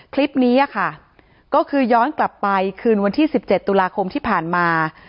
คลิปนี้ค่ะก็คือย้อนกลับไปคืนวันที่๑๗ตุลาคมที่ผ่านมา